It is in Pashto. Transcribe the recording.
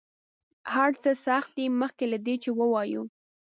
هر څه سخت دي مخکې له دې چې ووایو.